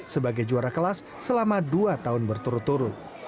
sebagai juara kelas selama dua tahun berturut turut